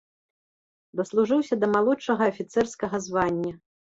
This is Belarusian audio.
Даслужыўся да малодшага афіцэрскага звання.